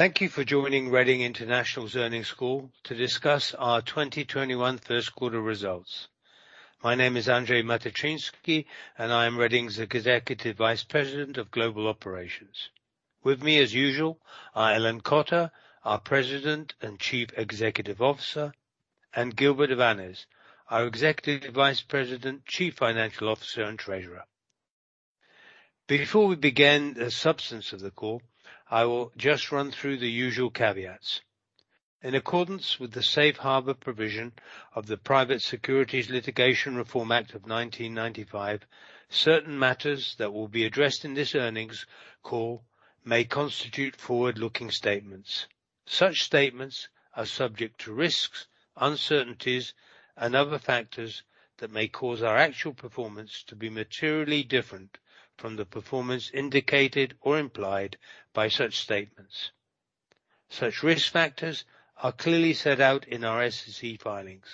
Thank you for joining Reading International's earnings call to discuss our 2021 first quarter results. My name is Andrzej Matyczynski, I'm Reading's Executive Vice President of Global Operations. With me, as usual, are Ellen Cotter, our President and Chief Executive Officer, and Gilbert Avanes, our Executive Vice President, Chief Financial Officer, and Treasurer. Before we begin the substance of the call, I will just run through the usual caveats. In accordance with the safe harbor provision of the Private Securities Litigation Reform Act of 1995, certain matters that will be addressed in this earnings call may constitute forward-looking statements. Such statements are subject to risks, uncertainties, and other factors that may cause our actual performance to be materially different from the performance indicated or implied by such statements. Such risk factors are clearly set out in our SEC filings.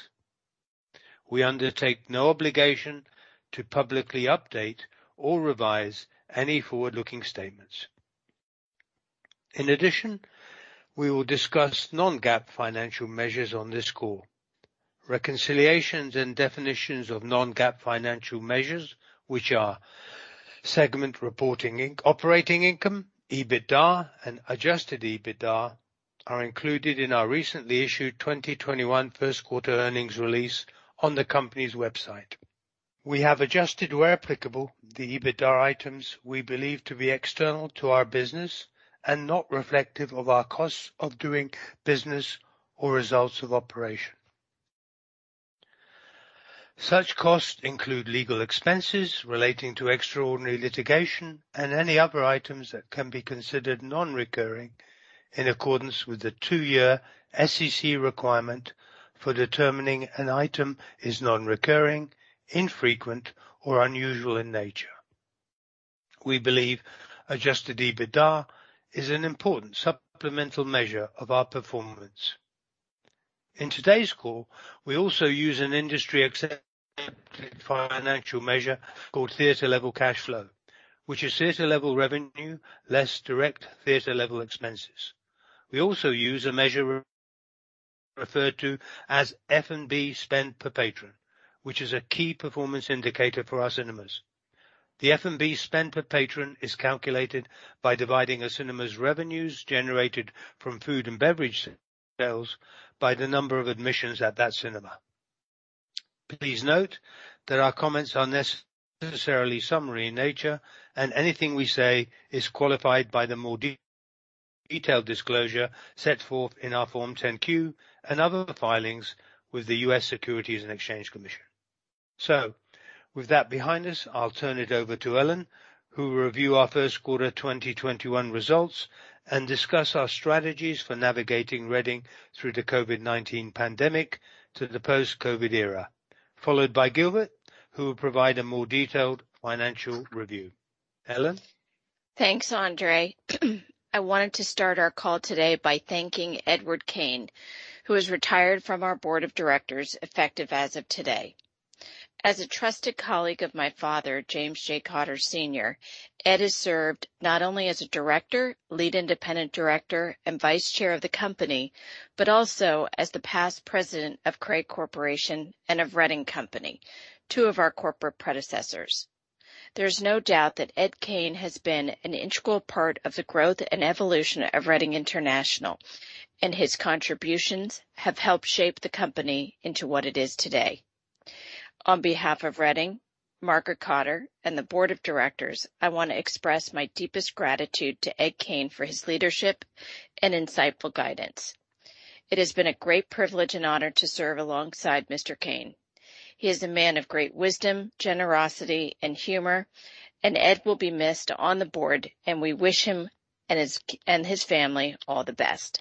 We undertake no obligation to publicly update or revise any forward-looking statements. In addition, we will discuss non-GAAP financial measures on this call. Reconciliations and definitions of non-GAAP financial measures, which are segment reporting operating income, EBITDA, and adjusted EBITDA, are included in our recently issued 2021 first quarter earnings release on the company's website. We have adjusted, where applicable, the EBITDA items we believe to be external to our business and not reflective of our costs of doing business or results of operation. Such costs include legal expenses relating to extraordinary litigation and any other items that can be considered non-recurring, in accordance with the two-year SEC requirement for determining an item is non-recurring, infrequent, or unusual in nature. We believe adjusted EBITDA is an important supplemental measure of our performance. In today's call, we also use an industry-accepted financial measure called theater level cash flow, which is theater level revenue less direct theater level expenses. We also use a measure referred to as F&B spend per patron, which is a key performance indicator for our cinemas. The F&B spend per patron is calculated by dividing a cinema's revenues generated from food and beverage sales by the number of admissions at that cinema. Please note that our comments are necessarily summary in nature, and anything we say is qualified by the more detailed disclosure set forth in our Form 10-Q and other filings with the U.S. Securities and Exchange Commission. With that behind us, I'll turn it over to Ellen, who will review our first quarter 2021 results and discuss our strategies for navigating Reading through the COVID-19 pandemic to the post-COVID era, followed by Gilbert, who will provide a more detailed financial review. Ellen? Thanks, Andrzej. I wanted to start our call today by thanking Edward Kane, who has retired from our Board of Directors effective as of today. As a trusted colleague of my father, James J. Cotter Sr., Ed has served not only as a Director, Lead Independent Director, and Vice Chair of the company, but also as the past President of Craig Corporation and of Reading Company, two of our corporate predecessors. There's no doubt that Ed Kane has been an integral part of the growth and evolution of Reading International, and his contributions have helped shape the company into what it is today. On behalf of Reading, Margaret Cotter, and the Board of Directors, I want to express my deepest gratitude to Ed Kane for his leadership and insightful guidance. It has been a great privilege and honor to serve alongside Mr. Kane. He is a man of great wisdom, generosity, and humor, and Ed will be missed on the board, and we wish him and his family all the best.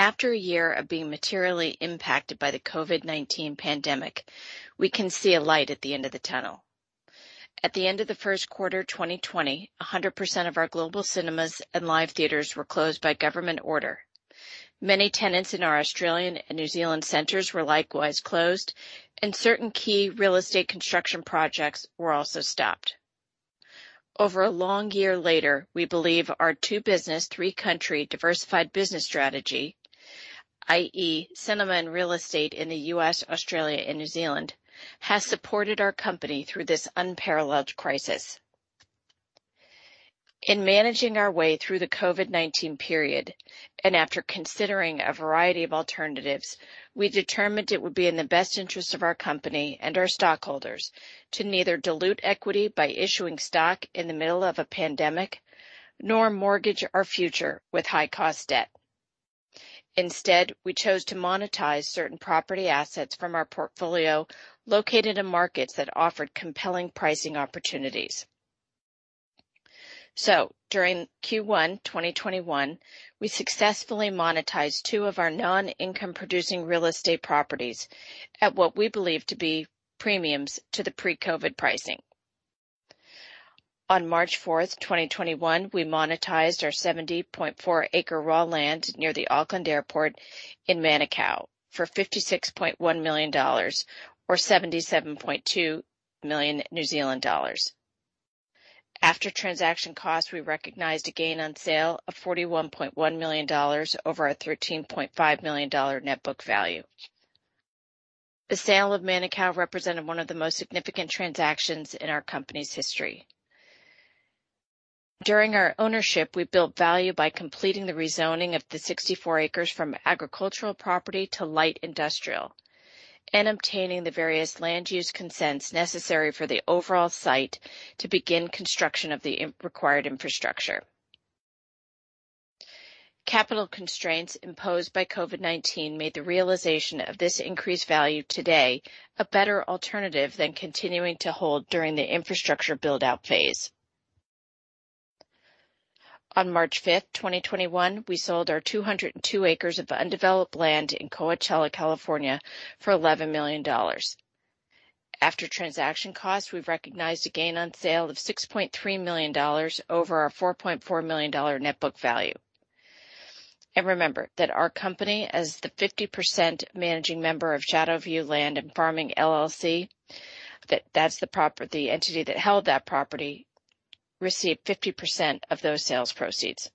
After a year of being materially impacted by the COVID-19 pandemic, we can see a light at the end of the tunnel. At the end of the first quarter 2020, 100% of our global cinemas and live theaters were closed by government order. Many tenants in our Australian and New Zealand centers were likewise closed, and certain key real estate construction projects were also stopped. Over a long year later, we believe our two-business, three-country diversified business strategy, i.e. cinema and real estate in the U.S., Australia, and New Zealand, has supported our company through this unparalleled crisis. In managing our way through the COVID-19 period, and after considering a variety of alternatives, we determined it would be in the best interest of our company and our stockholders to neither dilute equity by issuing stock in the middle of a pandemic nor mortgage our future with high-cost debt. Instead, we chose to monetize certain property assets from our portfolio located in markets that offered compelling pricing opportunities. During Q1 2021, we successfully monetized two of our non-income producing real estate properties at what we believe to be premiums to the pre-COVID pricing. On March 4th, 2021, we monetized our 70.4 acres raw land near the Auckland Airport in Manukau for $56.1 million, or 77.2 million New Zealand dollars. After transaction costs, we recognized a gain on sale of $41.1 million over our $13.5 million net book value. The sale of Manukau represented one of the most significant transactions in our company's history. During our ownership, we built value by completing the rezoning of the 64 acres from agricultural property to light industrial, and obtaining the various land use consents necessary for the overall site to begin construction of the required infrastructure. Capital constraints imposed by COVID-19 made the realization of this increased value today a better alternative than continuing to hold during the infrastructure build-out phase. On March 5th, 2021, we sold our 202 acres of undeveloped land in Coachella, California for $11 million. After transaction costs, we've recognized a gain on sale of $6.3 million over our $4.4 million net book value. Remember that our company as the 50% managing member of Shadow View Land and Farming, LLC, that's the entity that held that property, received 50% of those sales proceeds.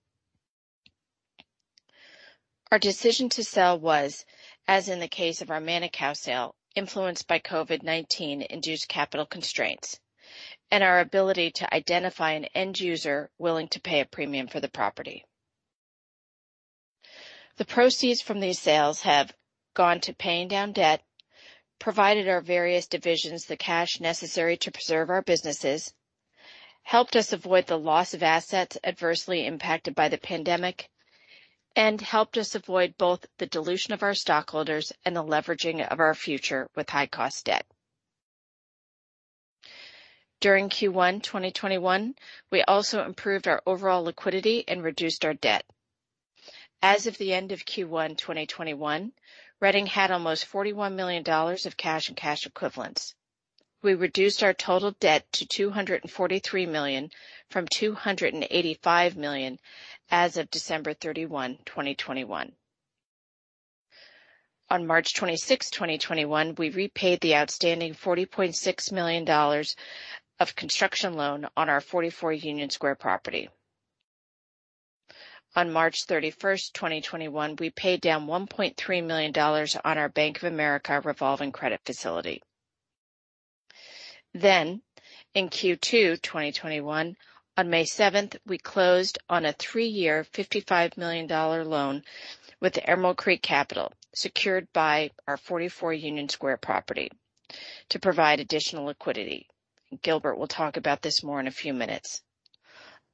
Our decision to sell was, as in the case of our Manukau sale, influenced by COVID-19 induced capital constraints and our ability to identify an end user willing to pay a premium for the property. The proceeds from these sales have gone to paying down debt, provided our various divisions the cash necessary to preserve our businesses, helped us avoid the loss of assets adversely impacted by the pandemic, and helped us avoid both the dilution of our stockholders and the leveraging of our future with high-cost debt. During Q1 2021, we also improved our overall liquidity and reduced our debt. As of the end of Q1 2021, Reading had almost $41 million of cash and cash equivalents. We reduced our total debt to $243 million from $285 million as of December 31, 2021. On March 26, 2021, we repaid the outstanding $40.6 million of construction loan on our 44 Union Square property. On March 31st, 2021, we paid down $1.3 million on our Bank of America revolving credit facility. In Q2 2021, on May 7th, we closed on a three-year, $55 million loan with Emerald Creek Capital, secured by our 44 Union Square property to provide additional liquidity. Gilbert will talk about this more in a few minutes.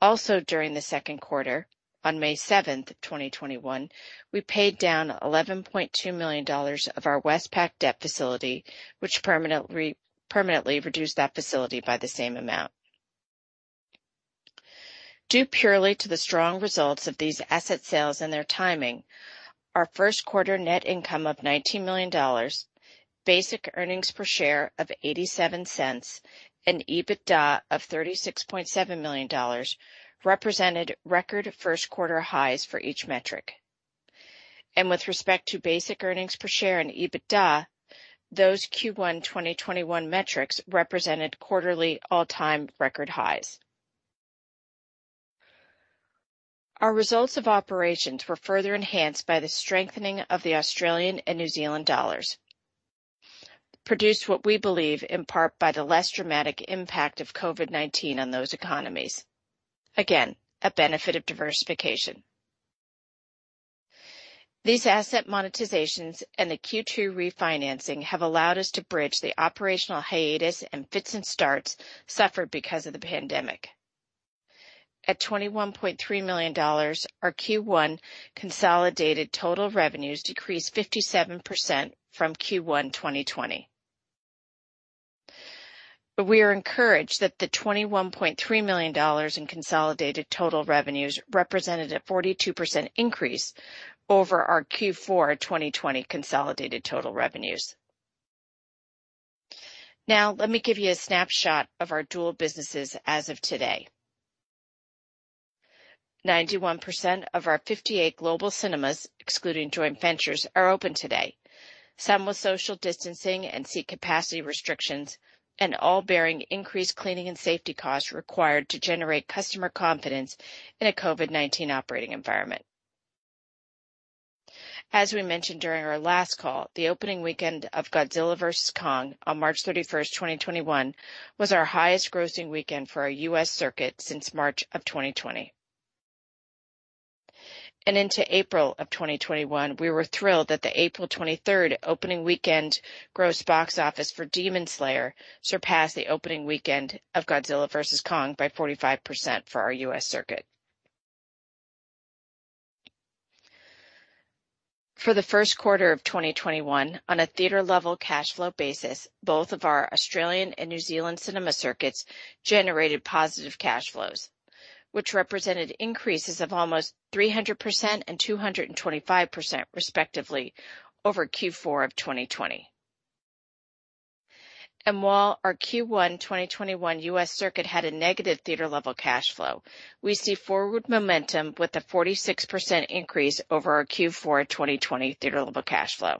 Also during the second quarter, on May 7th, 2021, we paid down 11.2 million dollars of our Westpac debt facility, which permanently reduced that facility by the same amount. Due purely to the strong results of these asset sales and their timing, our first quarter net income of $19 million, basic earnings per share of $0.87, and EBITDA of $36.7 million represented record first quarter highs for each metric. With respect to basic earnings per share and EBITDA, those Q1 2021 metrics represented quarterly all-time record highs. Our results of operations were further enhanced by the strengthening of the Australian and New Zealand dollars. Produced what we believe in part by the less dramatic impact of COVID-19 on those economies. Again, a benefit of diversification. These asset monetizations and the Q2 refinancing have allowed us to bridge the operational hiatus and fits and starts suffered because of the pandemic. At $21.3 million, our Q1 consolidated total revenues decreased 57% from Q1 2020. We are encouraged that the $21.3 million in consolidated total revenues represented a 42% increase over our Q4 2020 consolidated total revenues. Now, let me give you a snapshot of our dual businesses as of today. 91% of our 58 global cinemas, excluding joint ventures, are open today. Some with social distancing and seat capacity restrictions and all bearing increased cleaning and safety costs required to generate customer confidence in a COVID-19 operating environment. As we mentioned during our last call, the opening weekend of Godzilla vs. Kong on March 31st, 2021, was our highest grossing weekend for our U.S. circuit since March of 2020. Into April of 2021, we were thrilled that the April 23rd opening weekend gross box office for Demon Slayer surpassed the opening weekend of Godzilla vs. Kong by 45% for our U.S. circuit. For the first quarter of 2021, on a theater level cash flow basis, both of our Australian and New Zealand cinema circuits generated positive cash flows, which represented increases of almost 300% and 225% respectively over Q4 of 2020. While our Q1 2021 U.S. circuit had a negative theater level cash flow, we see forward momentum with a 46% increase over our Q4 2020 theater level cash flow.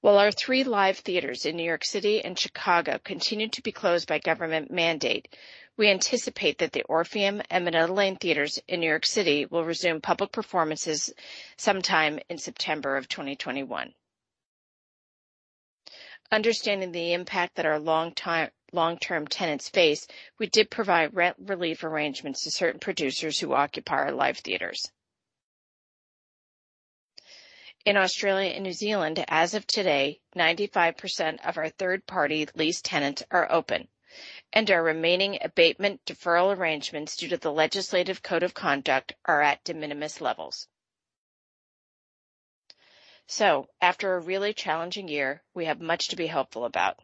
While our three live theaters in New York City and Chicago continue to be closed by government mandate, we anticipate that the Orpheum and Nederlander theaters in New York City will resume public performances sometime in September of 2021. Understanding the impact that our long-term tenants face, we did provide rent relief arrangements to certain producers who occupy our live theaters. In Australia and New Zealand, as of today, 95% of our third-party lease tenants are open, and our remaining abatement deferral arrangements due to the legislative Code of Conduct are at de minimis levels. After a really challenging year, we have much to be hopeful about.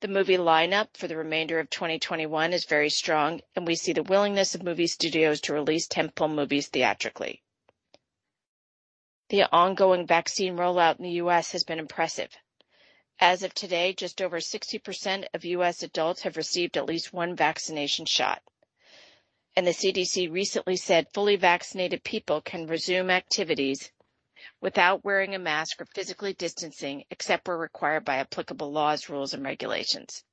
The movie lineup for the remainder of 2021 is very strong, and we see the willingness of movie studios to release tent-pole movies theatrically. The ongoing vaccine rollout in the U.S. has been impressive. As of today, just over 60% of U.S. adults have received at least one vaccination shot, and the CDC recently said fully vaccinated people can resume activities without wearing a mask or physically distancing except where required by applicable laws, rules, and regulations.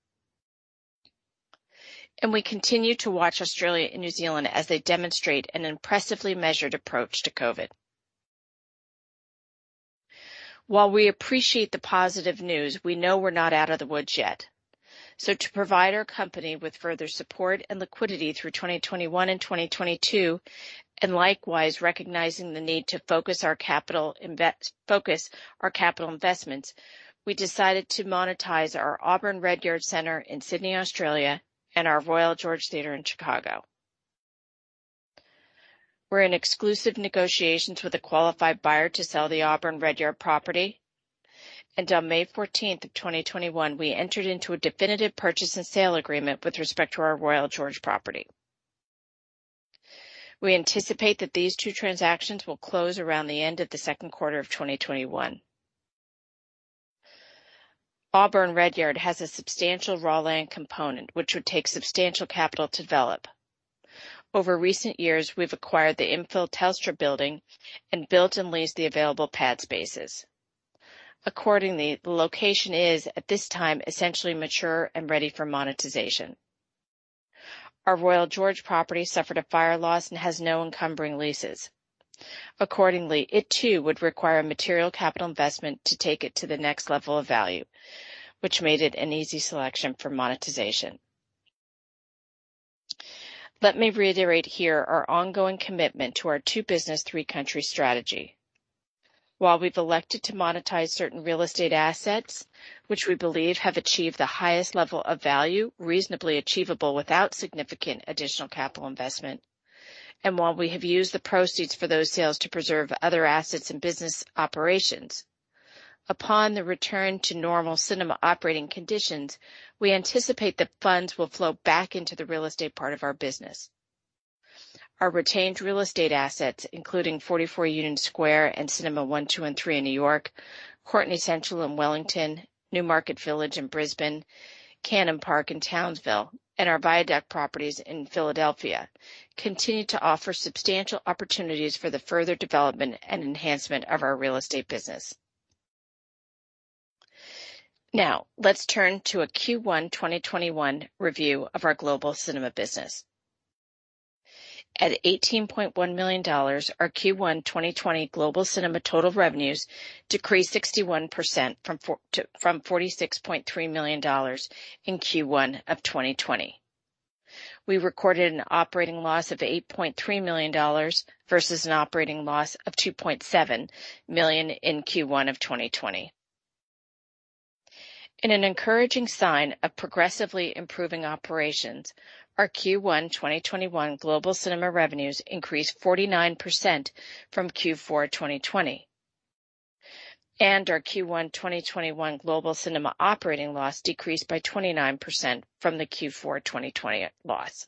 We continue to watch Australia and New Zealand as they demonstrate an impressively measured approach to COVID. While we appreciate the positive news, we know we're not out of the woods yet. To provide our company with further support and liquidity through 2021 and 2022, and likewise recognizing the need to focus our capital investments, we decided to monetize our Auburn Redyard in Sydney, Australia, and our Royal George Theater in Chicago. We are in exclusive negotiations with a qualified buyer to sell the Auburn Redyard property, and on May 14th of 2021, we entered into a definitive purchase and sale agreement with respect to our Royal George property. We anticipate that these two transactions will close around the end of the second quarter of 2021. Auburn Redyard has a substantial raw land component, which would take substantial capital to develop. Over recent years, we have acquired the infill Telstra building and built and leased the available pad spaces. Accordingly, the location is, at this time, essentially mature and ready for monetization. Our Royal George property suffered a fire loss and has no encumbering leases. Accordingly, it too would require material capital investment to take it to the next level of value, which made it an easy selection for monetization. Let me reiterate here our ongoing commitment to our two-business, three-country strategy. While we've elected to monetize certain real estate assets, which we believe have achieved the highest level of value reasonably achievable without significant additional capital investment, and while we have used the proceeds for those sales to preserve other assets and business operations, upon the return to normal cinema operating conditions, we anticipate that funds will flow back into the real estate part of our business. Our retained real estate assets, including 44 Union Square and Cinema 1, 2, and 3 in New York, Courtenay Central in Wellington, Newmarket Village in Brisbane, Cannon Park in Townsville, and our Viaduct properties in Philadelphia, continue to offer substantial opportunities for the further development and enhancement of our real estate business. Let's turn to a Q1 2021 review of our global cinema business. At $18.1 million, our Q1 2020 global cinema total revenues decreased 61% from $46.3 million in Q1 of 2020. We recorded an operating loss of $8.3 million versus an operating loss of $2.7 million in Q1 of 2020. In an encouraging sign of progressively improving operations, our Q1 2021 global cinema revenues increased 49% from Q4 2020, and our Q1 2021 global cinema operating loss decreased by 29% from the Q4 2020 loss.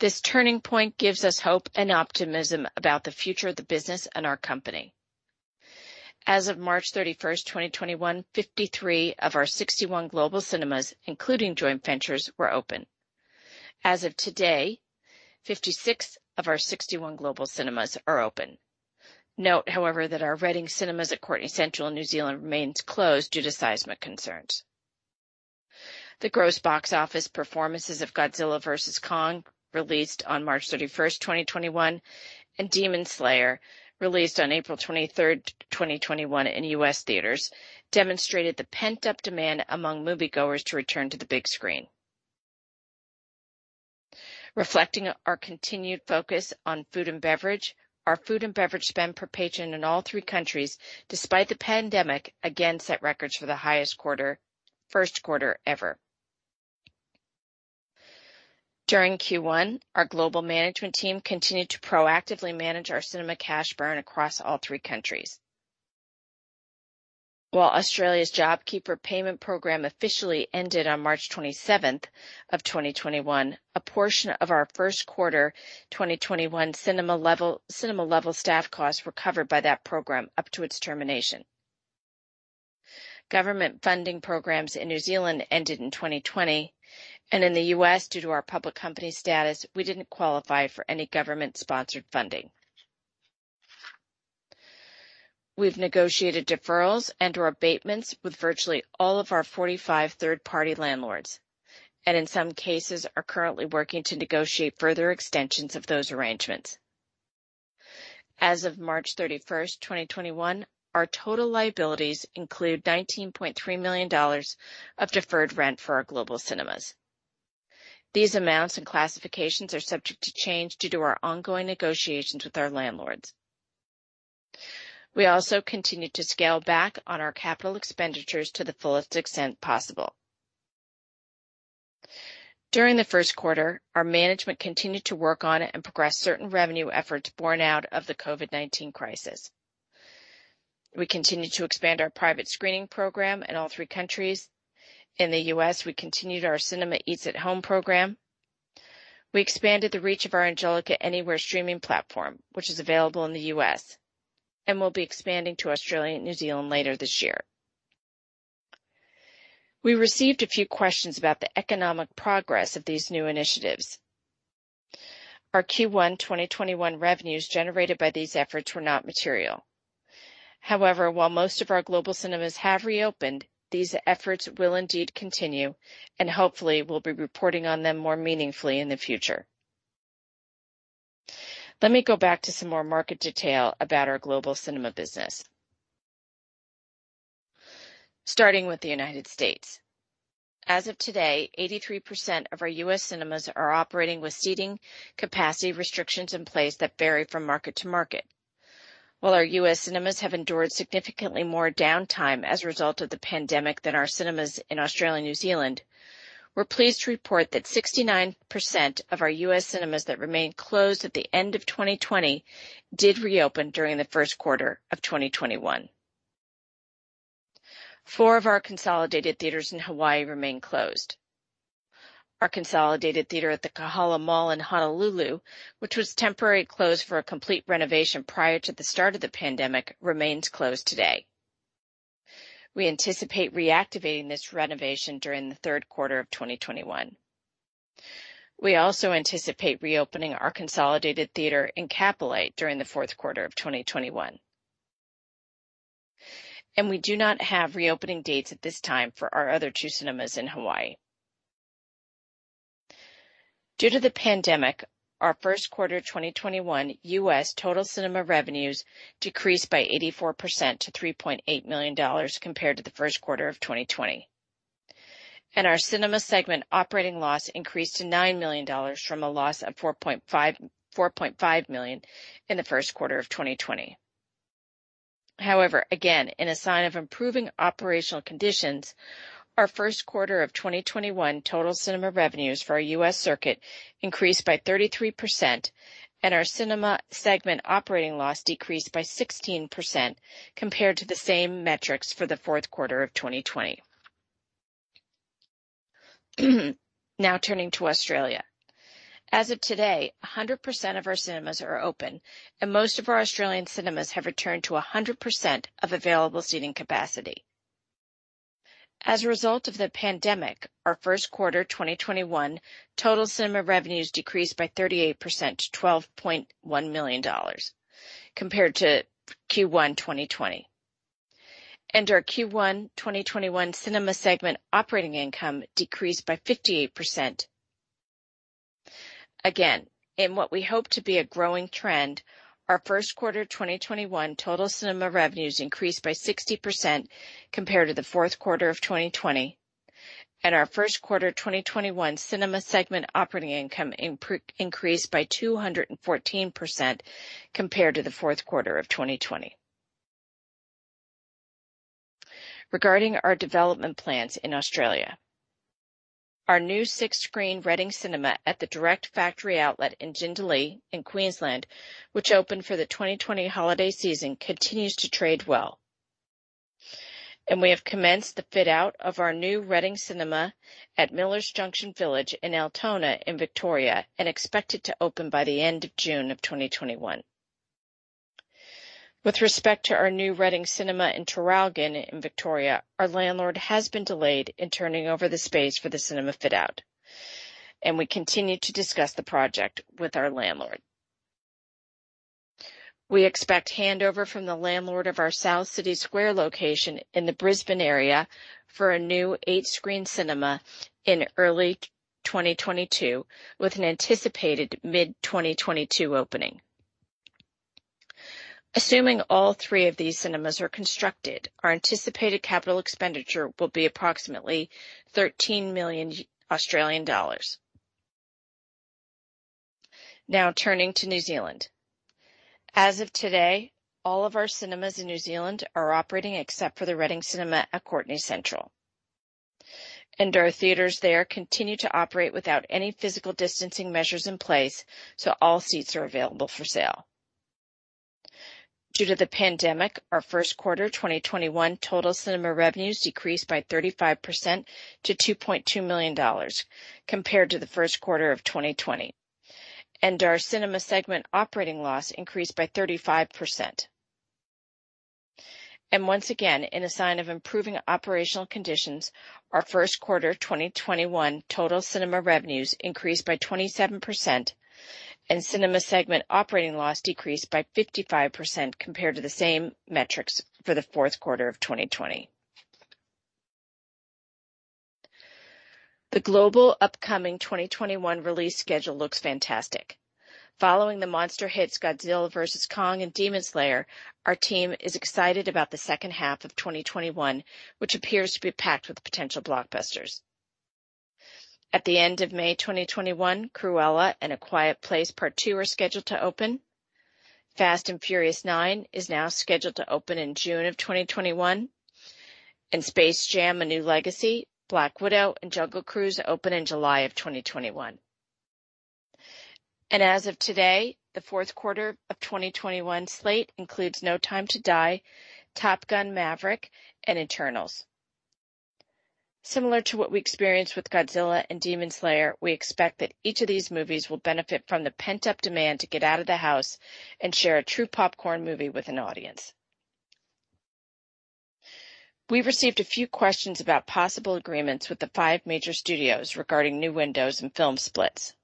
This turning point gives us hope and optimism about the future of the business and our company. As of March 31st, 2021, 53 of our 61 global cinemas, including joint ventures, were open. As of today, 56 of our 61 global cinemas are open. Note, however, that our Reading Cinemas at Courtenay Central, New Zealand remains closed due to seismic concerns. The gross box office performances of Godzilla vs. Kong, released on March 31st, 2021, and Demon Slayer, released on April 23rd, 2021, in U.S. theaters, demonstrated the pent-up demand among moviegoers to return to the big screen. Reflecting our continued focus on food and beverage, our food and beverage spend per patron in all three countries, despite the pandemic, again set records for the highest first quarter ever. During Q1, our global management team continued to proactively manage our cinema cash burn across all three countries. While Australia's JobKeeper payment program officially ended on March 27, 2021, a portion of our first quarter 2021 cinema-level staff costs were covered by that program up to its termination. Government funding programs in New Zealand ended in 2020, and in the U.S., due to our public company status, we didn't qualify for any government-sponsored funding. We've negotiated deferrals and/or abatements with virtually all of our 45 third-party landlords, and in some cases are currently working to negotiate further extensions of those arrangements. As of March 31, 2021, our total liabilities include $19.3 million of deferred rent for our global cinemas. These amounts and classifications are subject to change due to our ongoing negotiations with our landlords. We also continue to scale back on our capital expenditures to the fullest extent possible. During the first quarter, our management continued to work on and progress certain revenue efforts borne out of the COVID-19 crisis. We continued to expand our private screening program in all three countries. In the U.S., we continued our Cinemas Eats at Home program. We expanded the reach of our Angelika Anywhere streaming platform, which is available in the U.S. and will be expanding to Australia and New Zealand later this year. We received a few questions about the economic progress of these new initiatives. Our Q1 2021 revenues generated by these efforts were not material. However, while most of our global cinemas have reopened, these efforts will indeed continue, and hopefully we'll be reporting on them more meaningfully in the future. Let me go back to some more market detail about our global cinema business, starting with the United States. As of today, 83% of our U.S. cinemas are operating with seating capacity restrictions in place that vary from market to market. While our U.S. cinemas have endured significantly more downtime as a result of the pandemic than our cinemas in Australia and New Zealand, we're pleased to report that 69% of our U.S. cinemas that remained closed at the end of 2020 did reopen during the first quarter of 2021. Four of our Consolidated Theatres in Hawaii remain closed. Our Consolidated Theatre at the Kahala Mall in Honolulu, which was temporarily closed for a complete renovation prior to the start of the pandemic, remains closed today. We anticipate reactivating this renovation during the third quarter of 2021. We also anticipate reopening our Consolidated Theatre in Kapolei during the fourth quarter of 2021. We do not have reopening dates at this time for our other two cinemas in Hawaii. Due to the pandemic, our first quarter 2021 U.S. total cinema revenues decreased by 84% to $3.8 million compared to the first quarter of 2020. Our cinema segment operating loss increased to $9 million from a loss of $4.5 million in the first quarter of 2020. However, again, in a sign of improving operational conditions, our first quarter of 2021 total cinema revenues for our U.S. circuit increased by 33%, and our cinema segment operating loss decreased by 16% compared to the same metrics for the fourth quarter of 2020. Now turning to Australia. As of today, 100% of our cinemas are open, and most of our Australian cinemas have returned to 100% of available seating capacity. As a result of the pandemic, our first quarter 2021 total cinema revenues decreased by 38% to $12.1 million compared to Q1 2020. Our Q1 2021 cinema segment operating income decreased by 58%. Again, in what we hope to be a growing trend, our first quarter 2021 total cinema revenues increased by 60% compared to the fourth quarter of 2020, and our first quarter 2021 cinema segment operating income increased by 214% compared to the fourth quarter of 2020. Regarding our development plans in Australia, our new six-screen Reading Cinema at the Direct Factory Outlet in Jindalee in Queensland, which opened for the 2020 holiday season, continues to trade well. We have commenced the fit-out of our new Reading Cinema at Millers Junction Village in Altona in Victoria and expect it to open by the end of June of 2021. With respect to our new Reading Cinema in Traralgon in Victoria, our landlord has been delayed in turning over the space for the cinema fit-out, and we continue to discuss the project with our landlord. We expect handover from the landlord of our South City Square location in the Brisbane area for a new eight-screen cinema in early 2022, with an anticipated mid-2022 opening. Assuming all three of these cinemas are constructed, our anticipated capital expenditure will be approximately 13 million Australian dollars. Turning to New Zealand. As of today, all of our cinemas in New Zealand are operating except for the Reading Cinema at Courtenay Central. Our theaters there continue to operate without any physical distancing measures in place, so all seats are available for sale. Due to the pandemic, our first quarter 2021 total cinema revenues decreased by 35% to $2.2 million compared to the first quarter of 2020. Our cinema segment operating loss increased by 35%. Once again, in a sign of improving operational conditions, our first quarter 2021 total cinema revenues increased by 27%, and cinema segment operating loss decreased by 55% compared to the same metrics for the fourth quarter of 2020. The global upcoming 2021 release schedule looks fantastic. Following the monster hits Godzilla vs. Kong and Demon Slayer, our team is excited about the second half of 2021, which appears to be packed with potential blockbusters. At the end of May 2021, Cruella and A Quiet Place Part II are scheduled to open. Fast and Furious 9 is now scheduled to open in June of 2021. Space Jam: A New Legacy, Black Widow, and Jungle Cruise open in July of 2021. As of today, the fourth quarter of 2021 slate includes No Time To Die, Top Gun: Maverick, and Eternals. Similar to what we experienced with Godzilla and Demon Slayer, we expect that each of these movies will benefit from the pent-up demand to get out of the house and share a true popcorn movie with an audience. We received a few questions about possible agreements with the five major studios regarding new windows and film splits.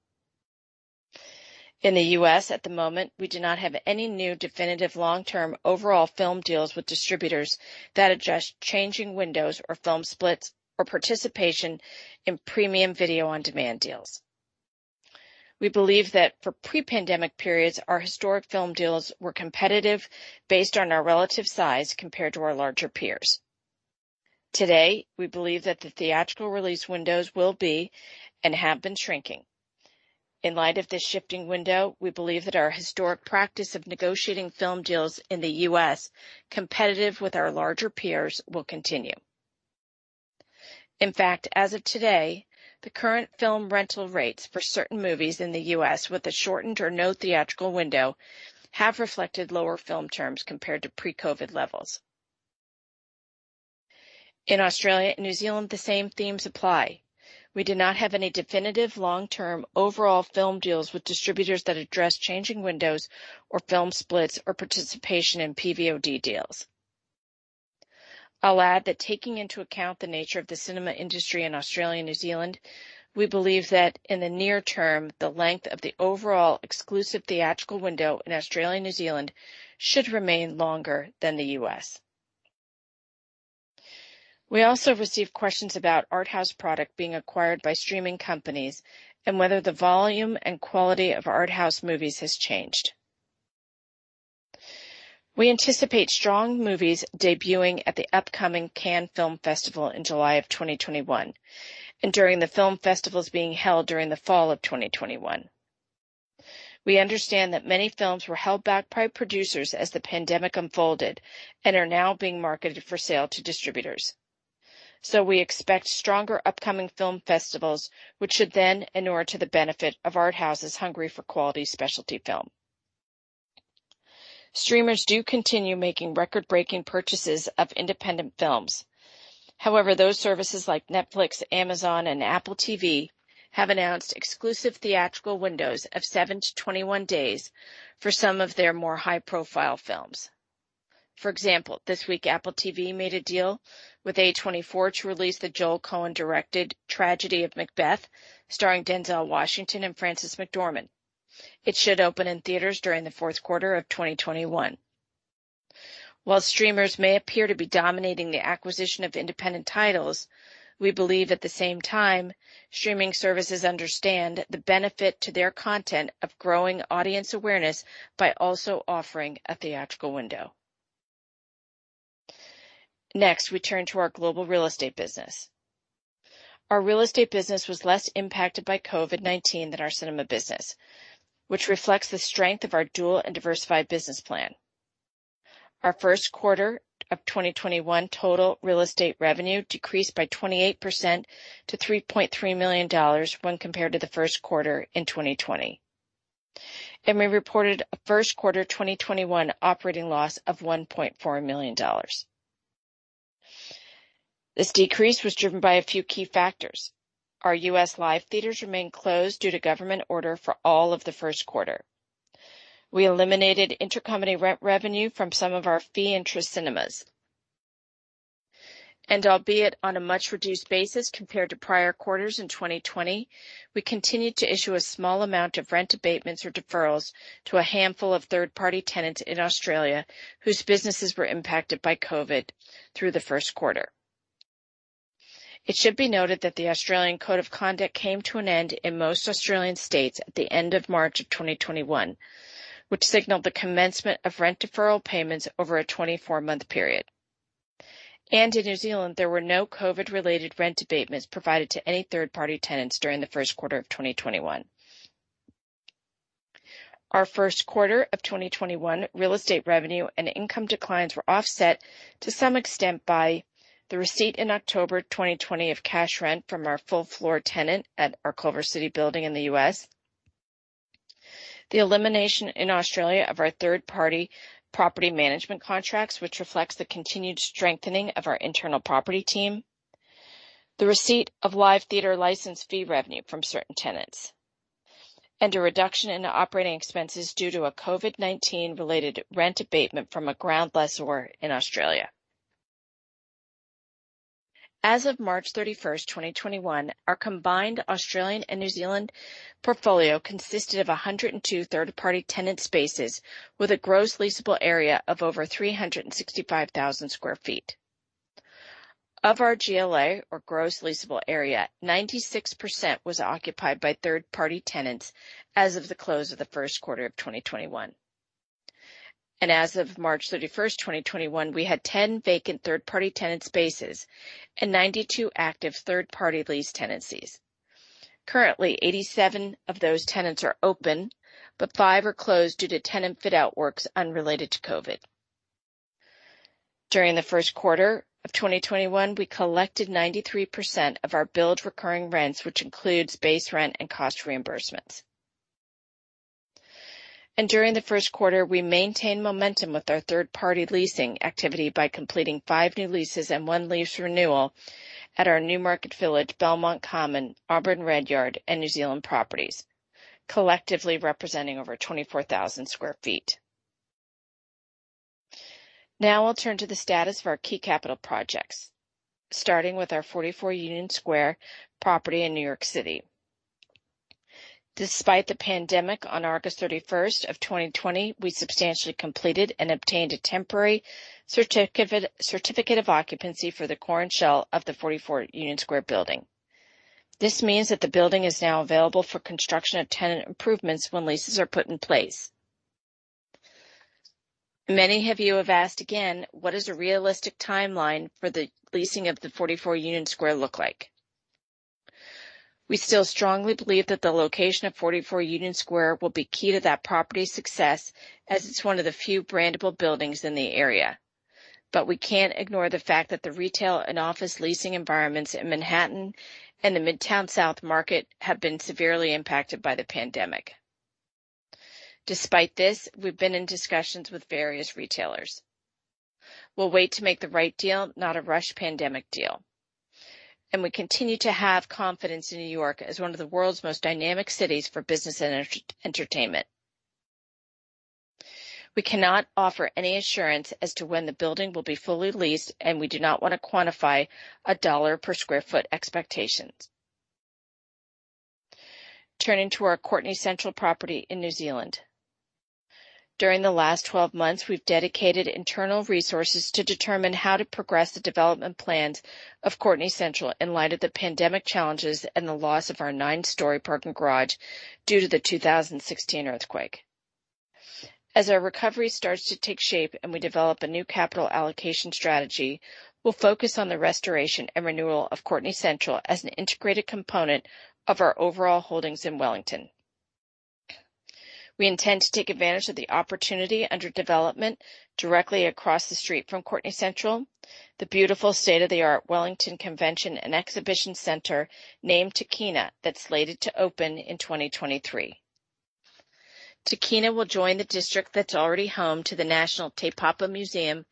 In the U.S. at the moment, we do not have any new definitive long-term overall film deals with distributors that address changing windows or film splits or participation in premium video-on-demand deals. We believe that for pre-pandemic periods, our historic film deals were competitive based on our relative size compared to our larger peers. Today, we believe that the theatrical release windows will be and have been shrinking. In light of this shifting window, we believe that our historic practice of negotiating film deals in the U.S. competitive with our larger peers will continue. In fact, as of today, the current film rental rates for certain movies in the U.S. with a shortened or no theatrical window have reflected lower film terms compared to pre-COVID levels. In Australia and New Zealand, the same themes apply. We do not have any definitive long-term overall film deals with distributors that address changing windows or film splits or participation in PVOD deals. I'll add that taking into account the nature of the cinema industry in Australia and New Zealand, we believe that in the near term, the length of the overall exclusive theatrical window in Australia and New Zealand should remain longer than the U.S. We also received questions about art house product being acquired by streaming companies and whether the volume and quality of art house movies has changed. We anticipate strong movies debuting at the upcoming Cannes Film Festival in July of 2021, and during the film festivals being held during the fall of 2021. We understand that many films were held back by producers as the pandemic unfolded and are now being marketed for sale to distributors. We expect stronger upcoming film festivals, which should then inure to the benefit of art houses hungry for quality specialty film. Streamers do continue making record-breaking purchases of independent films. However, those services like Netflix, Amazon, and Apple TV have announced exclusive theatrical windows of 7-21 days for some of their more high-profile films. For example, this week Apple TV made a deal with A24 to release the Joel Coen directed, The Tragedy of Macbeth, starring Denzel Washington and Frances McDormand. It should open in theaters during the fourth quarter of 2021. While streamers may appear to be dominating the acquisition of independent titles, we believe at the same time, streaming services understand the benefit to their content of growing audience awareness by also offering a theatrical window. We turn to our global real estate business. Our real estate business was less impacted by COVID-19 than our cinema business, which reflects the strength of our dual and diversified business plan. Our first quarter of 2021 total real estate revenue decreased by 28% to $3.3 million when compared to the first quarter in 2020. We reported a first quarter 2021 operating loss of $1.4 million. This decrease was driven by a few key factors. Our U.S. live theaters remained closed due to government order for all of the first quarter. We eliminated intercompany rent revenue from some of our fee-interest cinemas. Albeit on a much reduced basis compared to prior quarters in 2020, we continued to issue a small amount of rent abatements or deferrals to a handful of third-party tenants in Australia whose businesses were impacted by COVID through the first quarter. It should be noted that the Australian Code of Conduct came to an end in most Australian states at the end of March of 2021, which signaled the commencement of rent deferral payments over a 24-month period. In New Zealand, there were no COVID-related rent abatements provided to any third-party tenants during the first quarter of 2021. Our first quarter of 2021 real estate revenue and income declines were offset to some extent by the receipt in October 2020 of cash rent from our full floor tenant at our Culver City building in the U.S. The elimination in Australia of our third-party property management contracts, which reflects the continued strengthening of our internal property team. The receipt of live theater license fee revenue from certain tenants. A reduction in operating expenses due to a COVID-19 related rent abatement from a ground lessor in Australia. As of March 31st, 2021, our combined Australian and New Zealand portfolio consisted of 102 third-party tenant spaces with a gross leasable area of over 365,000 sq ft. Of our GLA, or gross leasable area, 96% was occupied by third-party tenants as of the close of the first quarter of 2021. As of March 31st, 2021, we had 10 vacant third-party tenant spaces and 92 active third-party lease tenancies. Currently, 87 of those tenants are open, but five are closed due to tenant fit-out works unrelated to COVID. During the first quarter of 2021, we collected 93% of our billed recurring rents, which includes base rent and cost reimbursements. During the first quarter, we maintained momentum with our third-party leasing activity by completing five new leases and one lease renewal at our Newmarket Village, Belmont Common, Auburn Redyard, and New Zealand properties, collectively representing over 24,000 sq ft. I'll turn to the status of our key capital projects, starting with our 44 Union Square property in New York City. Despite the pandemic, on August 31st of 2020, we substantially completed and obtained a temporary certificate of occupancy for the core and shell of the 44 Union Square building. This means that the building is now available for construction of tenant improvements when leases are put in place. Many of you have asked again, what does a realistic timeline for the leasing of the 44 Union Square look like? We still strongly believe that the location of 44 Union Square will be key to that property's success, as it's one of the few brandable buildings in the area. We can't ignore the fact that the retail and office leasing environments in Manhattan and the Midtown South market have been severely impacted by the pandemic. Despite this, we've been in discussions with various retailers. We'll wait to make the right deal, not a rushed pandemic deal, and we continue to have confidence in New York as one of the world's most dynamic cities for business and entertainment. We cannot offer any assurance as to when the building will be fully leased, and we do not want to quantify a dollar per square foot expectation. Turning to our Courtenay Central property in New Zealand. During the last 12 months, we've dedicated internal resources to determine how to progress the development plans of Courtenay Central in light of the pandemic challenges and the loss of our nine-story parking garage due to the 2016 earthquake. As our recovery starts to take shape and we develop a new capital allocation strategy, we'll focus on the restoration and renewal of Courtenay Central as an integrated component of our overall holdings in Wellington. We intend to take advantage of the opportunity under development directly across the street from Courtenay Central, the beautiful state-of-the-art Wellington Convention and Exhibition Center named Tākina that's slated to open in 2023. Tākina will join the district that's already home to the National Te Papa Museum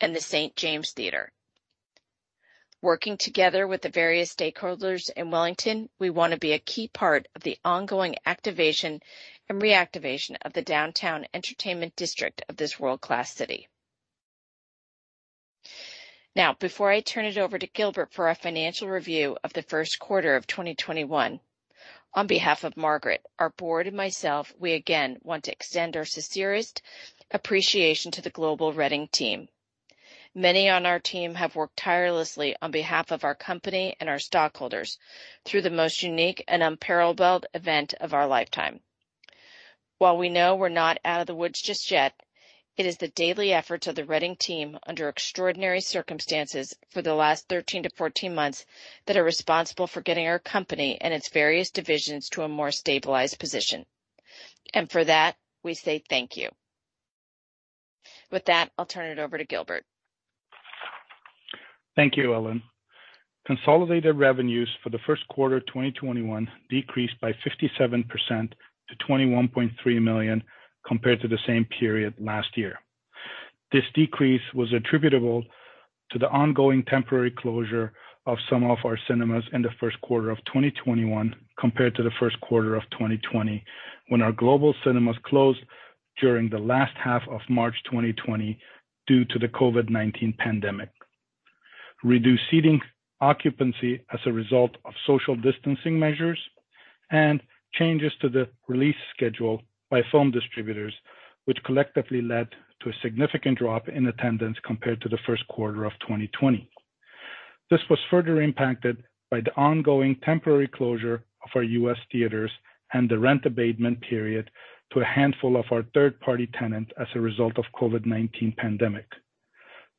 and the St. James Theatre. Working together with the various stakeholders in Wellington, we want to be a key part of the ongoing activation and reactivation of the downtown entertainment district of this world-class city. Before I turn it over to Gilbert for our financial review of the first quarter of 2021, on behalf of Margaret, our board, and myself, we again want to extend our sincerest appreciation to the global Reading team. Many on our team have worked tirelessly on behalf of our company and our stockholders through the most unique and unparalleled event of our lifetime. While we know we're not out of the woods just yet, it is the daily efforts of the Reading team under extraordinary circumstances for the last 13-14 months that are responsible for getting our company and its various divisions to a more stabilized position. For that, we say thank you. With that, I'll turn it over to Gilbert. Thank you, Ellen. Consolidated revenues for the first quarter of 2021 decreased by 57% to $21.3 million compared to the same period last year. This decrease was attributable to the ongoing temporary closure of some of our cinemas in the first quarter of 2021 compared to the first quarter of 2020, when our global cinemas closed during the last half of March 2020 due to the COVID-19 pandemic. Reduced seating occupancy as a result of social distancing measures and changes to the release schedule by film distributors, which collectively led to a significant drop in attendance compared to the first quarter of 2020. This was further impacted by the ongoing temporary closure of our U.S. theaters and the rent abatement period to a handful of our third-party tenants as a result of COVID-19 pandemic.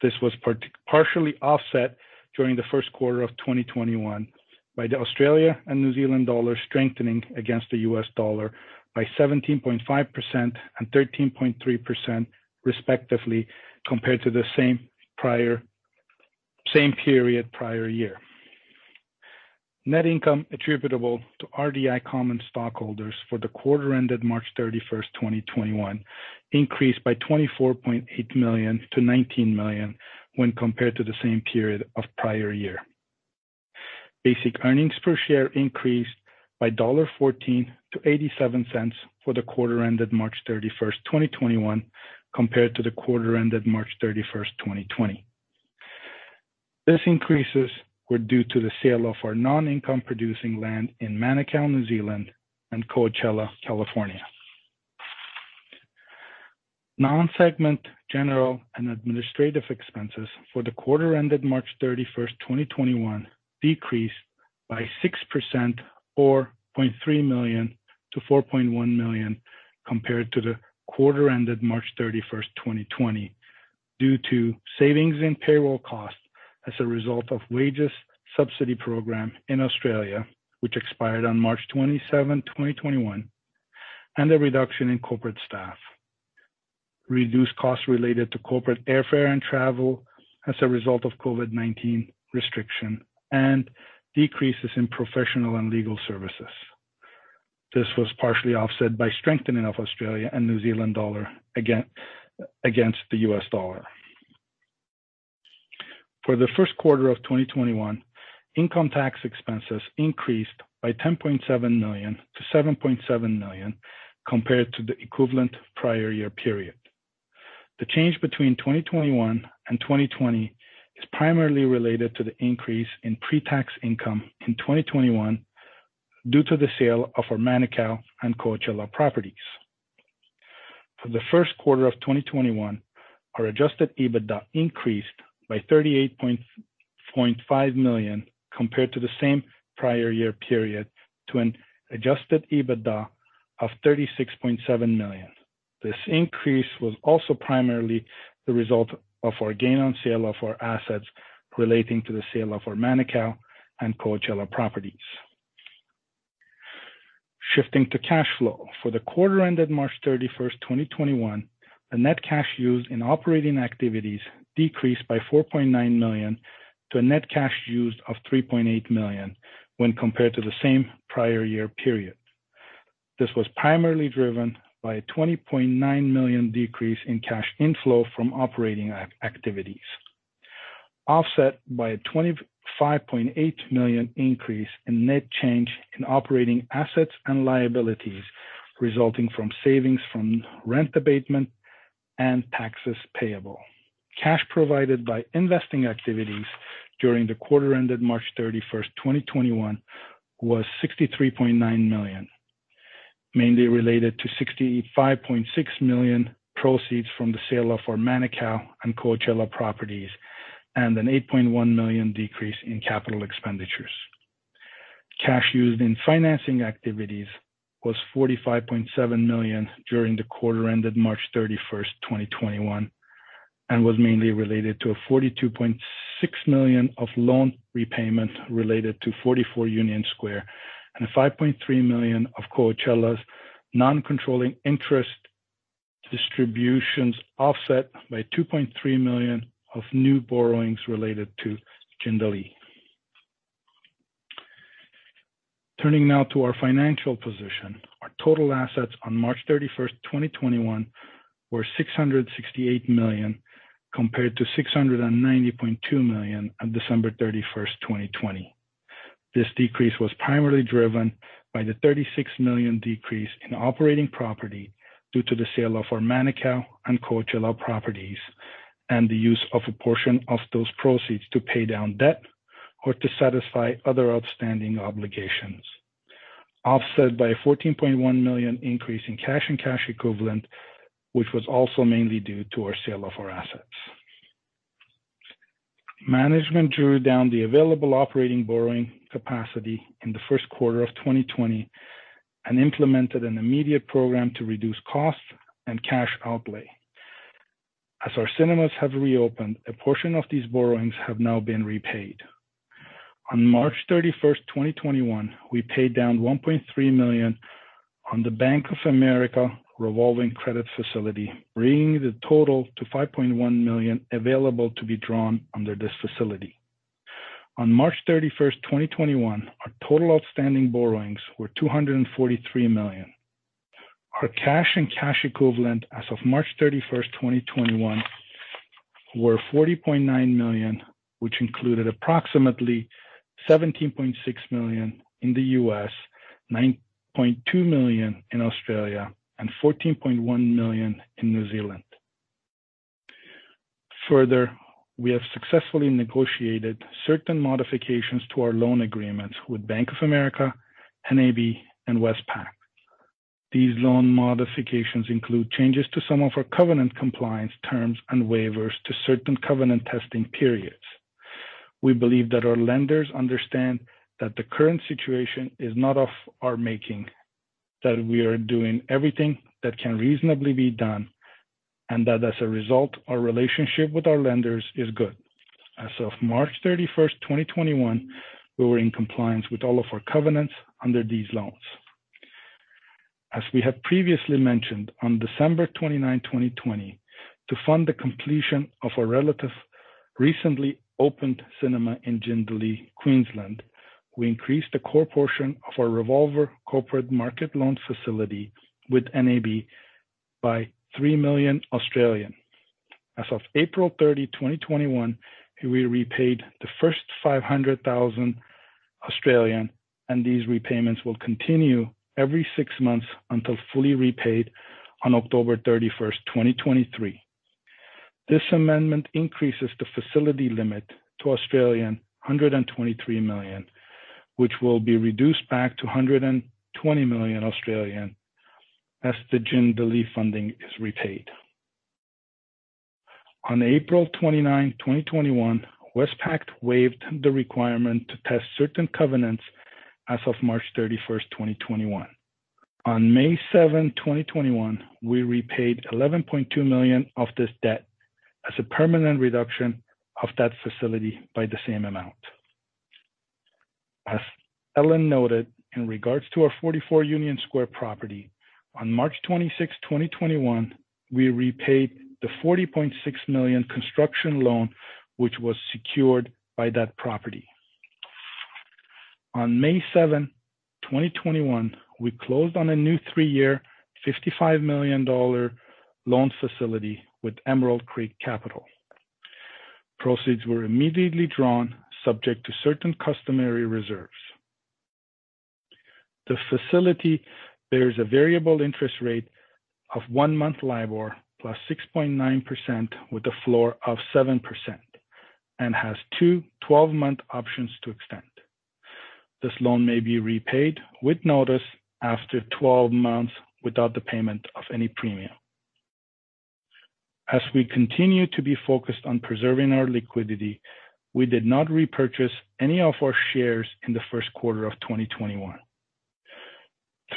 This was partially offset during the first quarter of 2021 by the Australia and New Zealand dollar strengthening against the US dollar by 17.5% and 13.3% respectively compared to the same period prior year. Net income attributable to RDI common stockholders for the quarter ended March 31, 2021 increased by $24.8 million to $19 million when compared to the same period of prior year. Basic earnings per share increased by $1.14 to $0.87 for the quarter ended March 31, 2021, compared to the quarter ended March 31, 2020. These increases were due to the sale of our non-income producing land in Manukau, New Zealand, and Coachella, California. Non-segment, general, and administrative expenses for the quarter ended March 31st, 2021, decreased by 6% or $0.3 million to $4.1 million compared to the quarter ended March 31st, 2020, due to savings in payroll costs as a result of wage subsidy program in Australia, which expired on March 27, 2021, and a reduction in corporate staff. Reduced costs related to corporate airfare and travel as a result of COVID-19 restriction, and decreases in professional and legal services. This was partially offset by strengthening of Australian and New Zealand dollar against the U.S. dollar. For the first quarter of 2021, income tax expenses increased by $10.7 million to $7.7 million compared to the equivalent prior year period. The change between 2021 and 2020 is primarily related to the increase in pre-tax income in 2021 due to the sale of our Manukau and Coachella properties. For the first quarter of 2021, our adjusted EBITDA increased by $38.5 million compared to the same prior year period to an adjusted EBITDA of $36.7 million. This increase was also primarily the result of our gain on sale of our assets relating to the sale of our Manukau and Coachella properties. Shifting to cash flow. For the quarter ended March 31st, 2021, the net cash used in operating activities decreased by $4.9 million to a net cash used of $3.8 million when compared to the same prior year period. This was primarily driven by a $20.9 million decrease in cash inflow from operating activities, offset by a $25.8 million increase in net change in operating assets and liabilities resulting from savings from rent abatement and taxes payable. Cash provided by investing activities during the quarter ended March 31st, 2021, was $63.9 million, mainly related to $65.6 million proceeds from the sale of our Manukau and Coachella properties and an $8.1 million decrease in capital expenditures. Cash used in financing activities was $45.7 million during the quarter ended March 31st, 2021, and was mainly related to a $42.6 million of loan repayment related to 44 Union Square and a $5.3 million of Coachella's non-controlling interest distributions, offset by $2.3 million of new borrowings related to Jindalee. Turning now to our financial position. Our total assets on March 31st, 2021, were $668 million, compared to $690.2 million on December 31st, 2020. This decrease was primarily driven by the $36 million decrease in operating property due to the sale of our Manukau and Coachella properties and the use of a portion of those proceeds to pay down debt or to satisfy other outstanding obligations, offset by $14.1 million increase in cash and cash equivalent, which was also mainly due to our sale of our assets. Management drew down the available operating borrowing capacity in the first quarter of 2020 and implemented an immediate program to reduce costs and cash outlay. As our cinemas have reopened, a portion of these borrowings have now been repaid. On March 31st, 2021, we paid down $1.3 million on the Bank of America revolving credit facility, bringing the total to $5.1 million available to be drawn under this facility. On March 31st, 2021, our total outstanding borrowings were $243 million. Our cash and cash equivalent as of March 31st, 2021, were $40.9 million, which included approximately $17.6 million in the U.S., 9.2 million in Australia, and 14.1 million in New Zealand. Further, we have successfully negotiated certain modifications to our loan agreements with Bank of America, NAB, and Westpac. These loan modifications include changes to some of our covenant compliance terms and waivers to certain covenant testing periods. We believe that our lenders understand that the current situation is not of our making, that we are doing everything that can reasonably be done, and that as a result, our relationship with our lenders is good. As of March 31st, 2021, we were in compliance with all of our covenants under these loans. As we have previously mentioned, on December 29, 2020, to fund the completion of our recently opened cinema in Jindalee, Queensland, we increased the core portion of our revolver corporate market loan facility with NAB by 3 million. As of April 30, 2021, we repaid the first 500,000. These repayments will continue every six months until fully repaid on October 31st, 2023. This amendment increases the facility limit to 123 million, which will be reduced back to 120 million as the Jindalee funding is repaid. On April 29, 2021, Westpac waived the requirement to test certain covenants as of March 31st, 2021. On May 7, 2021, we repaid 11.2 million of this debt as a permanent reduction of that facility by the same amount. As Ellen noted, in regards to our 44 Union Square property, on March 26, 2021, we repaid the $40.6 million construction loan, which was secured by that property. On May 7, 2021, we closed on a new three-year $55 million loan facility with Emerald Creek Capital. Proceeds were immediately drawn, subject to certain customary reserves. The facility bears a variable interest rate of one-month LIBOR, plus 6.9%, with a floor of 7%, and has two 12-month options to extend. This loan may be repaid with notice after 12 months without the payment of any premium. As we continue to be focused on preserving our liquidity, we did not repurchase any of our shares in the first quarter of 2021.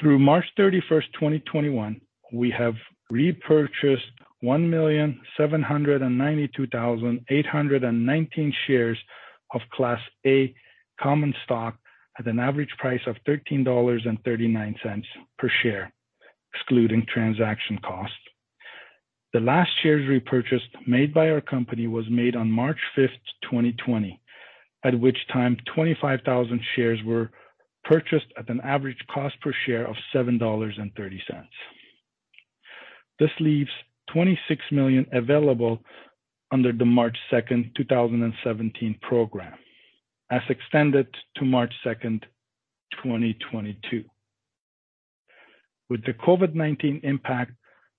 Through March 31st, 2021, we have repurchased 1,792,819 shares of Class A common stock at an average price of $13.39 per share, excluding transaction costs. The last shares repurchase made by our company was made on March 5th, 2020, at which time 25,000 shares were purchased at an average cost per share of $7.30. This leaves $26 million available under the March 2nd, 2017 program, as extended to March 2nd, 2022. With the COVID-19 impact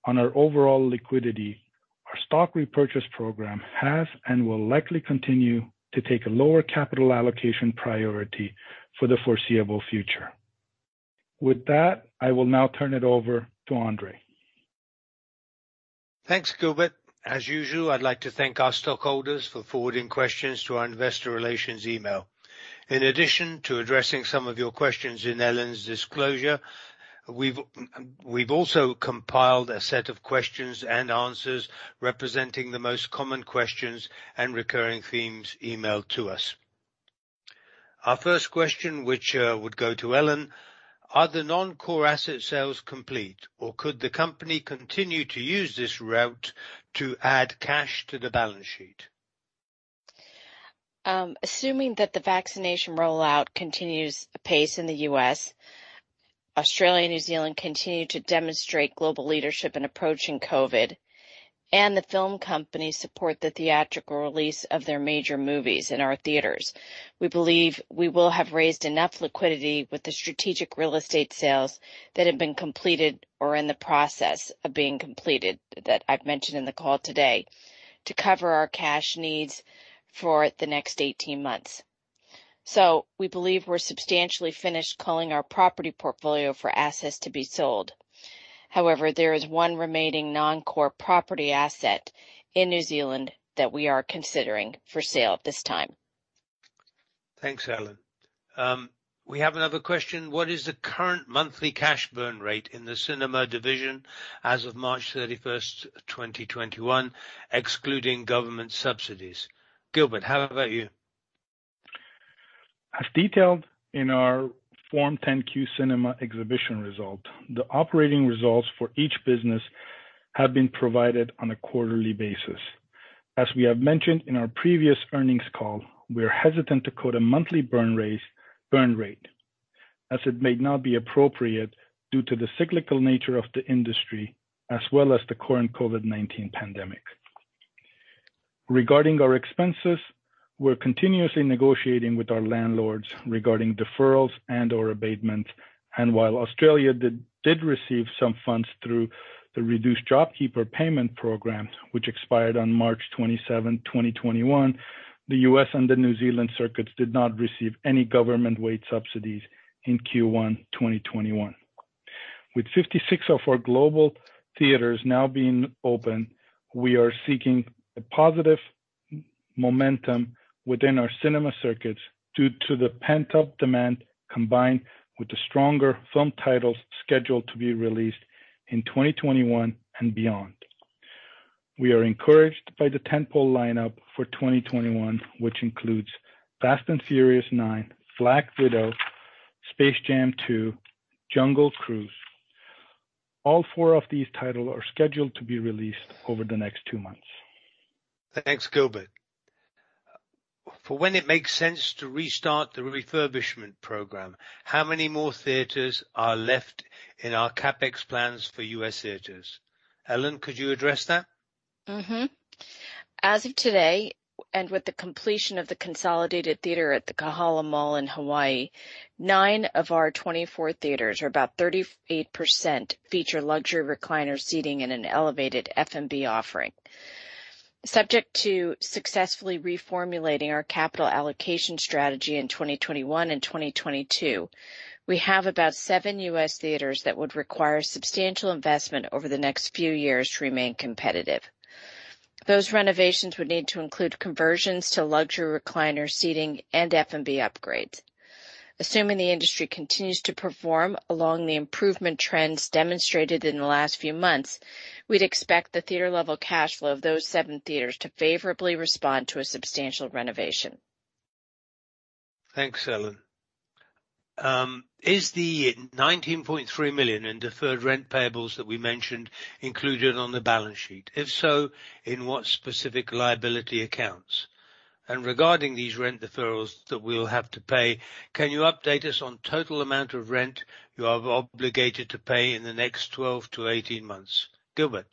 on our overall liquidity, our stock repurchase program has and will likely continue to take a lower capital allocation priority for the foreseeable future. With that, I will now turn it over to Andrzej. Thanks, Gilbert. As usual, I'd like to thank our stockholders for forwarding questions to our Investor Relations email. In addition to addressing some of your questions in Ellen's disclosure, we've also compiled a set of questions and answers representing the most common questions and recurring themes emailed to us. Our first question, which would go to Ellen. Are the non-core asset sales complete, or could the company continue to use this route to add cash to the balance sheet? Assuming that the vaccination rollout continues apace in the U.S., Australia, New Zealand continue to demonstrate global leadership in approaching COVID, and the film companies support the theatrical release of their major movies in our theaters. We believe we will have raised enough liquidity with the strategic real estate sales that have been completed or are in the process of being completed, that I've mentioned in the call today, to cover our cash needs for the next 18 months. We believe we're substantially finished culling our property portfolio for assets to be sold. However, there is one remaining non-core property asset in New Zealand that we are considering for sale at this time. Thanks, Ellen. We have another question. What is the current monthly cash burn rate in the cinema division as of March 31st, 2021, excluding government subsidies? Gilbert, how about you? As detailed in our Form 10-Q cinema exhibition result, the operating results for each business have been provided on a quarterly basis. As we have mentioned in our previous earnings call, we're hesitant to quote a monthly burn rate, as it may not be appropriate due to the cyclical nature of the industry, as well as the current COVID-19 pandemic. Regarding our expenses, we're continuously negotiating with our landlords regarding deferrals and/or abatements. While Australia did receive some funds through the reduced JobKeeper Payment program, which expired on March 27, 2021, the U.S. and the New Zealand circuits did not receive any government wage subsidies in Q1 2021. With 56 of our global theaters now being open, we are seeking a positive momentum within our cinema circuits due to the pent-up demand, combined with the stronger film titles scheduled to be released in 2021 and beyond. We are encouraged by the tentpole lineup for 2021, which includes Fast and Furious 9, Black Widow, Space Jam 2, Jungle Cruise. All four of these titles are scheduled to be released over the next two months. Thanks, Gilbert. For when it makes sense to restart the refurbishment program, how many more theaters are left in our CapEx plans for U.S. theaters? Ellen, could you address that? As of today, and with the completion of the Consolidated Theatre at the Kahala Mall in Hawaii, nine of our 24 theaters, or about 38%, feature luxury recliner seating and an elevated F&B offering. Subject to successfully reformulating our capital allocation strategy in 2021 and 2022, we have about seven U.S. theaters that would require substantial investment over the next few years to remain competitive. Those renovations would need to include conversions to luxury recliner seating and F&B upgrades. Assuming the industry continues to perform along the improvement trends demonstrated in the last few months, we'd expect the theater-level cash flow of those seven theaters to favorably respond to a substantial renovation. Thanks, Ellen. Is the $19.3 million in deferred rent payables that we mentioned included on the balance sheet? If so, in what specific liability accounts? Regarding these rent deferrals that we'll have to pay, can you update us on total amount of rent you are obligated to pay in the next 12-18 months? Gilbert.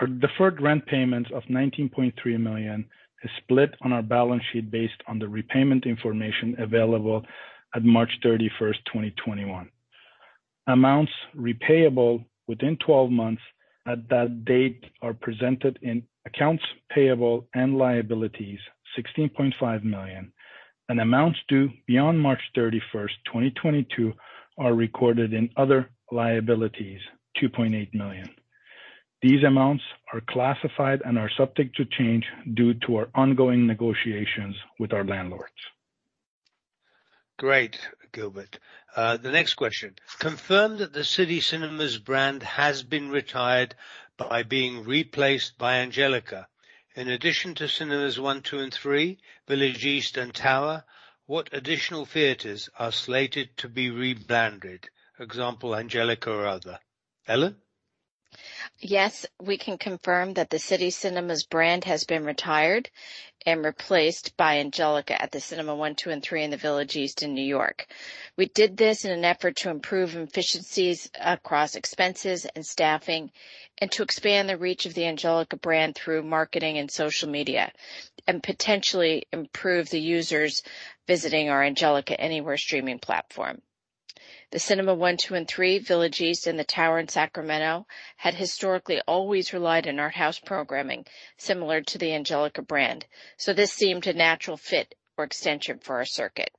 Our deferred rent payment of $19.3 million is split on our balance sheet based on the repayment information available at March 31st, 2021. Amounts repayable within 12 months at that date are presented in accounts payable and liabilities, $16.5 million, and amounts due beyond March 31st, 2022, are recorded in other liabilities, $2.8 million. These amounts are classified and are subject to change due to our ongoing negotiations with our landlords. Great, Gilbert. The next question. Confirm that the City Cinemas brand has been retired by being replaced by Angelika. In addition to Cinemas 1, 2, and 3, Village East, and Tower, what additional theaters are slated to be rebranded? Example, Angelika or other. Ellen? Yes, we can confirm that the City Cinemas brand has been retired and replaced by Angelika at the Cinema 1, 2, and 3 in the Village East in New York. We did this in an effort to improve efficiencies across expenses and staffing, and to expand the reach of the Angelika brand through marketing and social media, and potentially improve the users visiting our Angelika Anywhere streaming platform. The Cinema 1, 2, and 3, Village East, and the Tower in Sacramento had historically always relied on in-house programming similar to the Angelika brand, so this seemed a natural fit or extension for our circuit.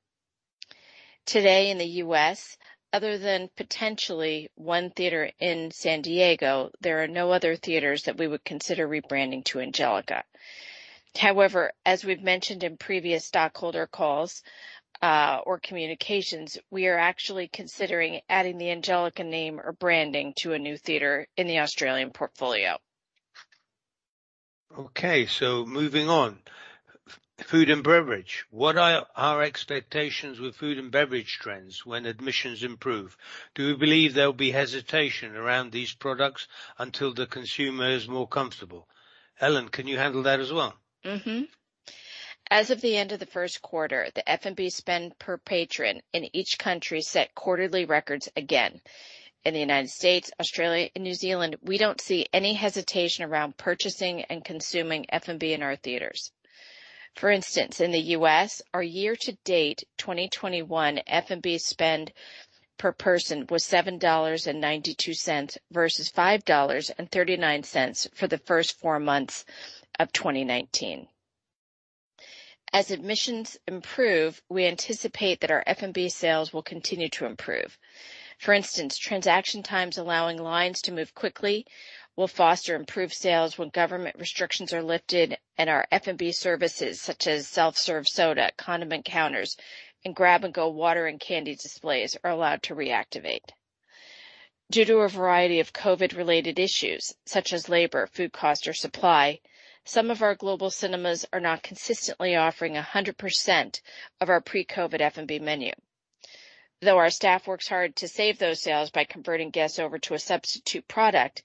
Today in the U.S., other than potentially one theater in San Diego, there are no other theaters that we would consider rebranding to Angelika. However, as we've mentioned in previous stockholder calls or communications, we are actually considering adding the Angelika name or branding to a new theater in the Australian portfolio. Okay, moving on. Food and beverage. What are our expectations with food and beverage trends when admissions improve? Do we believe there'll be hesitation around these products until the consumer is more comfortable? Ellen, can you handle that as well? As of the end of the first quarter, the F&B spend per patron in each country set quarterly records again. In the U.S., Australia, and New Zealand, we don't see any hesitation around purchasing and consuming F&B in our theaters. For instance, in the U.S., our year-to-date 2021 F&B spend per person was $7.92 versus $5.39 for the first four months of 2019. As admissions improve, we anticipate that our F&B sales will continue to improve. For instance, transaction times allowing lines to move quickly will foster improved sales when government restrictions are lifted and our F&B services, such as self-serve soda, condiment counters, and grab-and-go water and candy displays are allowed to reactivate. Due to a variety of COVID-related issues, such as labor, food cost, or supply, some of our global cinemas are not consistently offering 100% of our pre-COVID F&B menu. Though our staff works hard to save those sales by converting guests over to a substitute product,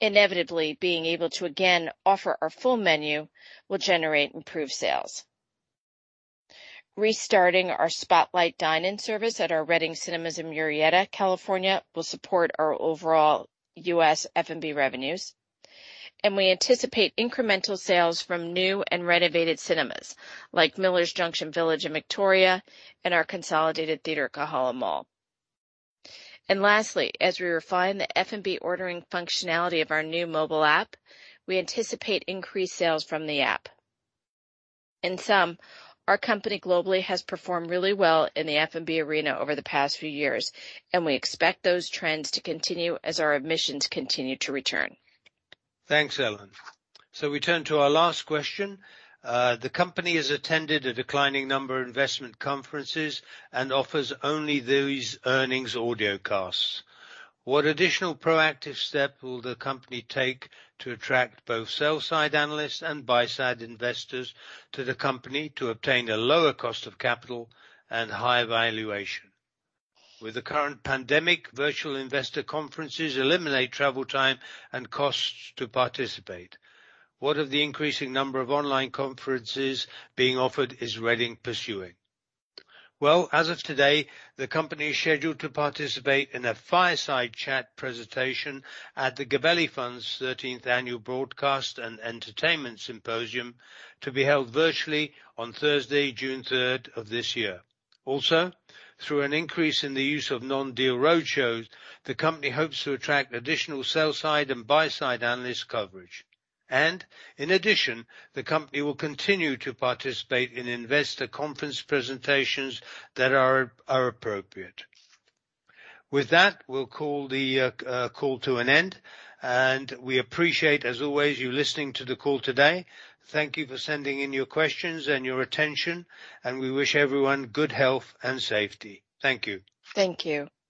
inevitably being able to again offer our full menu will generate improved sales. Restarting our Spotlight dine-in service at our Reading Cinemas in Murrieta, California will support our overall U.S. F&B revenues, and we anticipate incremental sales from new and renovated cinemas, like Millers Junction Village in Victoria and our Consolidated Theatre, Kahala Mall. Lastly, as we refine the F&B ordering functionality of our new mobile app, we anticipate increased sales from the app. In sum, our company globally has performed really well in the F&B arena over the past few years, and we expect those trends to continue as our admissions continue to return. Thanks, Ellen. We turn to our last question. The company has attended a declining number of investment conferences and offers only these earnings audiocasts. What additional proactive step will the company take to attract both sell-side analysts and buy-side investors to the company to obtain a lower cost of capital and higher valuation? With the current pandemic, virtual investor conferences eliminate travel time and costs to participate. What of the increasing number of online conferences being offered is Reading pursuing? As of today, the company is scheduled to participate in a fireside chat presentation at the Gabelli Funds 13th Annual Broadcast & Entertainment Symposium to be held virtually on Thursday, June 3rd of this year. Through an increase in the use of non-deal roadshows, the company hopes to attract additional sell-side and buy-side analyst coverage. In addition, the company will continue to participate in investor conference presentations that are appropriate. With that, we'll call the call to an end, and we appreciate as always you listening to the call today. Thank you for sending in your questions and your attention, and we wish everyone good health and safety. Thank you. Thank you.